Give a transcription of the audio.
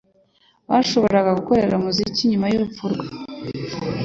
Bashoboraga gukorera Umukiza nyuma y'urupfu rwe,